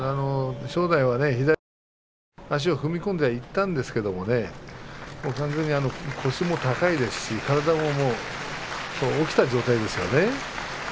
正代は左の足を踏み込んでいったんですが完全に腰も高いですし体が起きた状態です。